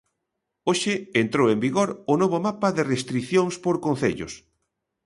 Hoxe entrou en vigor o novo mapa de restricións por concellos.